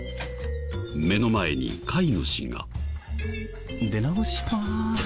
目の前に飼い主が。